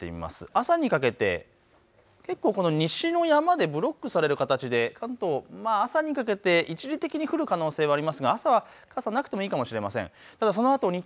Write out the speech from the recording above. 朝にかけて結構、西の山でブロックされる形で関東、朝にかけて一時的に降る可能性はありますが朝はなくてもいいかもしれません。